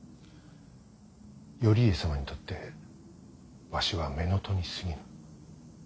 頼家様にとってわしは乳父にすぎぬ。